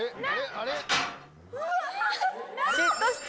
あれ？